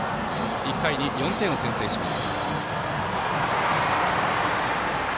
１回に４点を先制します。